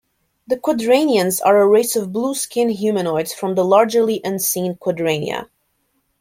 The Quadrainians are a race of blue-skinned humanoids from the largely-unseen Quadrainia.